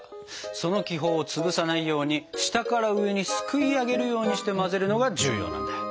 その気泡を潰さないように下から上にすくいあげるようにして混ぜるのが重要なんだ。